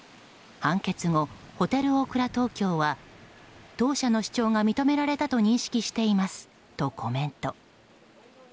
判決後、ホテルオークラ東京は当社の主張が認められたと認識していますとコメント。